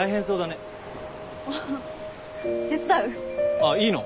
あっいいの？